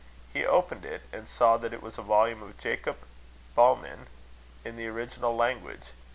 He opened it, and saw that it was a volume of Jacob Boehmen, in the original language.